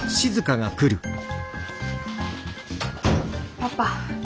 パパ。